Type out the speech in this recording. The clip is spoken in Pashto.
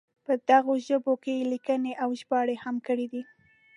په دغو ژبو کې یې لیکنې او ژباړې هم کړې دي.